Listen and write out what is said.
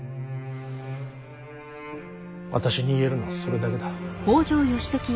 私に言えるのはそれだけだ。